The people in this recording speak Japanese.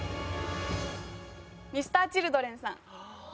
Ｍｒ．Ｃｈｉｌｄｒｅｎ